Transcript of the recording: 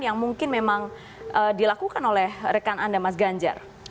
yang mungkin memang dilakukan oleh rekan anda mas ganjar